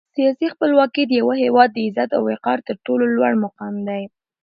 سیاسي خپلواکي د یو هېواد د عزت او وقار تر ټولو لوړ مقام دی.